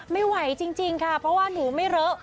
ไม่ไหวจริงค่ะเพราะว่าหนูไม่เลอะ